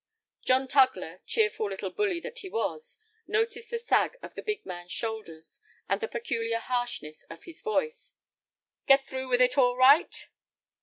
John Tugler, cheerful little bully that he was, noticed the sag of the big man's shoulders, and the peculiar harshness of his voice. "Get through with it all right?"